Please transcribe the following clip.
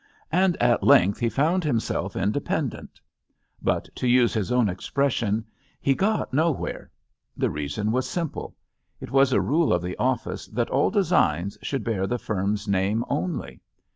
And at length he found himself independent. But, to use his own expression, he got nowhere." The reason was simple ; it was a rule of the office that all designs should bear the firm's name only.